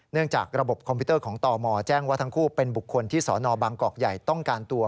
จากระบบคอมพิวเตอร์ของตมแจ้งว่าทั้งคู่เป็นบุคคลที่สนบางกอกใหญ่ต้องการตัว